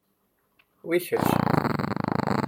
Wi i kečč.